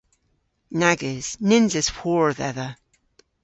Nag eus. Nyns eus hwor dhedha.